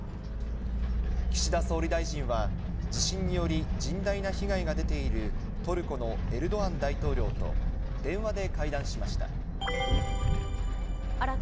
岸田総理大臣は、地震により、甚大な被害が出ているトルコのエルドアン大統領と電話で会談しました。